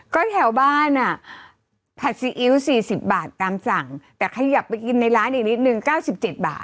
ก็แถวบ้านอ่ะผัดซีอิ๊ว๔๐บาทตามสั่งแต่ขยับไปกินในร้านอีกนิดนึง๙๗บาท